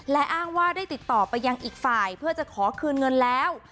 และอ้างว่าได้ติดต่อไปยังอีกฝ่ายเพื่อจะขอคืนเงินแล้ว